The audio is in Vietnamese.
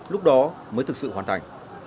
lúc đó mới thực sự hoàn thành